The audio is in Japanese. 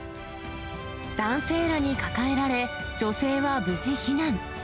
男性らに抱えられ、女性は無事、避難。